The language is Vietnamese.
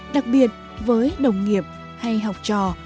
đặc biệt với đồng nghiệp hay học trò